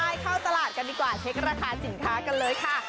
ใช่เข้าตลาดกันดีกว่าเช็คราคาสินค้ากันเลยค่ะ